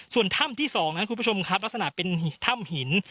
ส่วนถ้ำที่๒นั้นคุณผู้ชมครับลักษณะเป็นถ้ำหิน